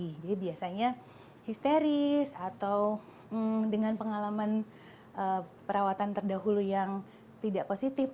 jadi biasanya histeris atau dengan pengalaman perawatan terdahulu yang tidak positif